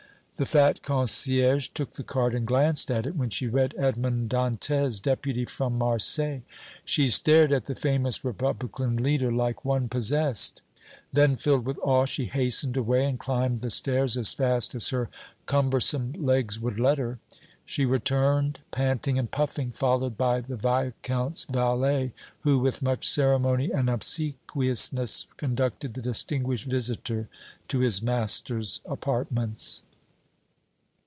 The fat concierge took the card and glanced at it; when she read "Edmond Dantès, Deputy from Marseilles," she stared at the famous Republican leader like one possessed; then, filled with awe, she hastened away and climbed the stairs as fast as her cumbersome legs would let her. She returned, panting and puffing, followed by the Viscount's valet, who, with much ceremony and obsequiousness, conducted the distinguished visitor to his master's apartments.